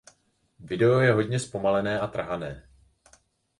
Video je hodně zpomalené a trhané.